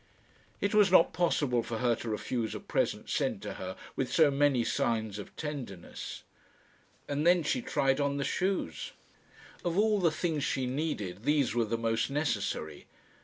It was not possible for her to refuse a present sent to her with so many signs of tenderness. And then she tried on the shoes. Of all the things she needed these were the most necessary.